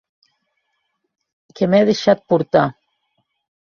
Que m'è deishat portar!